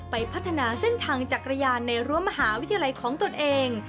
ไปพัฒนาเส้นทางจักรยานในรั้วมหาวิทยาลัยของตนเอง